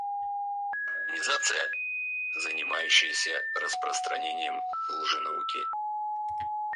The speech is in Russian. Организация, занимающаяся распространением лженауки.